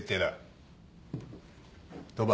鳥羽。